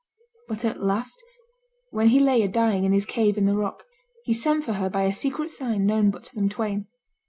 But at last, when he lay a dying in his cave in the rock, he sent for her by a secret sign known but to them twain.